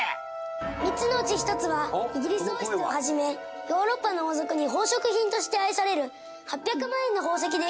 ３つのうち１つはイギリス王室をはじめヨーロッパの王族に宝飾品として愛される８００万円の宝石です。